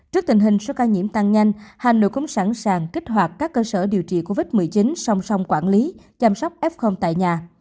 trước tình hình số ca nhiễm tăng nhanh hà nội cũng sẵn sàng kích hoạt các cơ sở điều trị covid một mươi chín song song quản lý chăm sóc f tại nhà